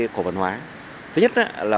cổ phân hóa thứ nhất là